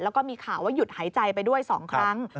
แล้วก็มีข่าวว่าหยุดหายใจไปด้วย๒ครั้ง